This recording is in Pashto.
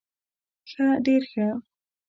ښه ډير ښه